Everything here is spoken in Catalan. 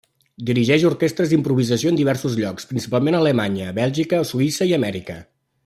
Dirigeix orquestres d'improvisació en diversos llocs, principalment a Alemanya, Bèlgica, Suïssa i Amèrica.